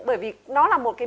bởi vì nó là một cái